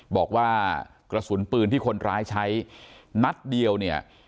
บอกว่ากระสุนปืนที่คนร้ายใช้นัดเดียวเนี่ย